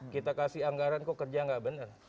kita kasih anggaran kok kerja nggak benar